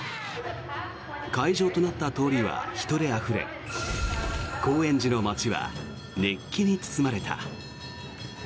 会場となった通りは人であふれ高円寺の街は熱気に包まれた。